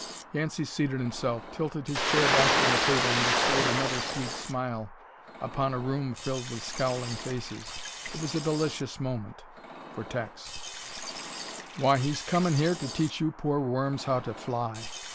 Yancey seated himself, tilted his chair back from the table and bestowed another sweet smile upon a room filled with scowling faces. It was a delicious moment for Tex. "Why, he's comin' here to teach you poor worms how to fly.